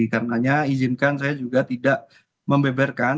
karenanya izinkan saya juga tidak membeberkan